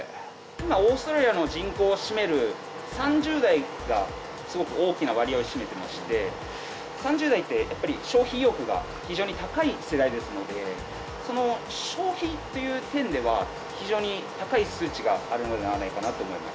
今オーストラリアの人口を占める３０代がすごく大きな割合を占めてまして３０代ってやっぱり消費意欲が非常に高い世代ですのでその消費っていう点では非常に高い数値があるのではないかなと思います。